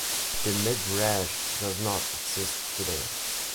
The "midrash" does not exist today.